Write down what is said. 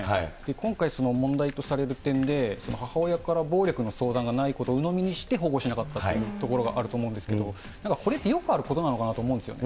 今回、問題とされる点で、母親から暴力の相談がないことをうのみにして保護しなかったというところがあると思うんですけど、これってよくあることなのかなと思うんですよね。